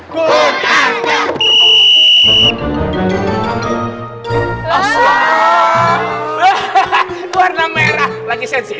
buat keluar keluar